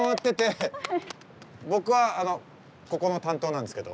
僕はあのここの担当なんですけど。